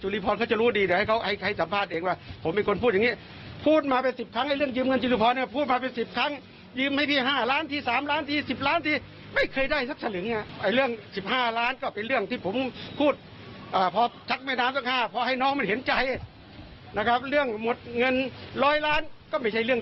เห็นใจนะครับเรื่องหมดเงินร้อยล้านก็ไม่ใช่เรื่องจริง